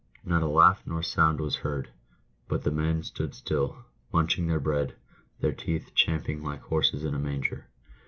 Not a laugh nor sound was heard, but the men stood still, munching their bread, their teeth champing like horses in a manger.